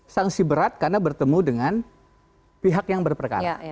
sanksi berat karena bertemu dengan pihak yang berperkara